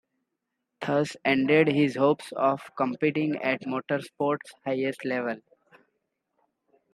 Thus ended his hopes of competing at motor sport's highest level.